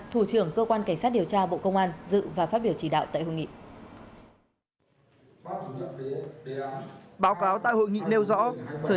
thủ trưởng cơ quan cảnh sát điều tra bộ công an dự và phát biểu chỉ đạo tại hội nghị